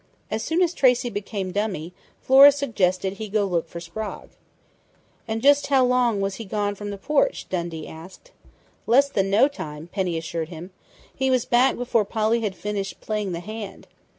As soon as Tracey became dummy, Flora suggested he go look for Sprague." "And how long was he gone from the porch?" Dundee asked. "Less than no time," Penny assured him. "He was back before Polly had finished playing the hand.